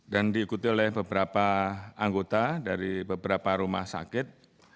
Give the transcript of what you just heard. dan diikuti oleh beberapa anggota dari beberapa rumah sakit